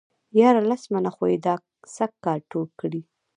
ياره لس منه خو يې دا سږ کال ټول کړي.